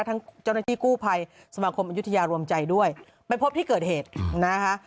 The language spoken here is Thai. เจ้าหน้าที่กู้ภัยสมาคมอายุทยารวมใจด้วยไปพบที่เกิดเหตุนะคะ